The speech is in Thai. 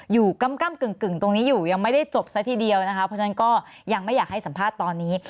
กำกึ่งตรงนี้อยู่ยังไม่ได้จบซะทีเดียวนะคะเพราะฉะนั้นก็ยังไม่อยากให้สัมภาษณ์ตอนนี้